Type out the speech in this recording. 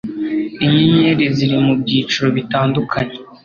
inyenyeri ziri mubyiciro bitandukanye